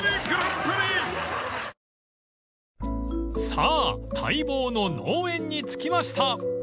［さぁ待望の農園に着きました］